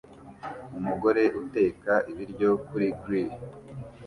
Umugore uteka ibiryo kuri grill